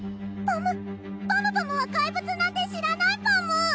パムパムは怪物なんて知らないパム！